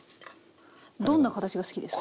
どんな形が好きですか？